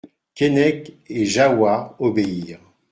Keinec et Jahoua obéirent.